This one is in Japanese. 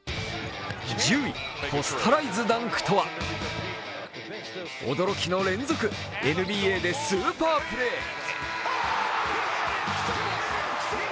１０位、ポスタライズダンクとは驚きの連続、ＮＢＡでスーパープレー。